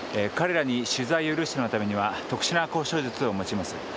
彼らに取材を許してもらうためには特殊な交渉術を用います。